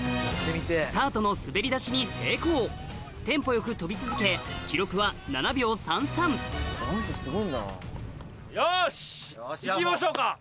スタートの滑り出しに成功テンポよく跳び続けよしいきましょうか。